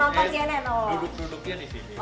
duduk duduknya di sini